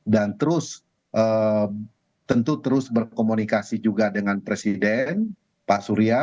dan tentu terus berkomunikasi juga dengan presiden pak surya